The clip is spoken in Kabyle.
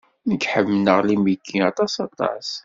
Nek ḥemleɣ limiki aṭas aṭas.